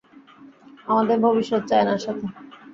আমাদের ভবিষ্যৎ চায়নার সাথে।